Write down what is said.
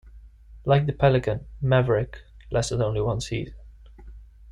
Like the Pelican, Maverick lasted only one season.